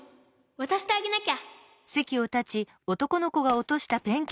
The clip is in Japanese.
わたしてあげなきゃ！